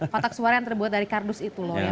kotak suara yang terbuat dari kardus itu loh ya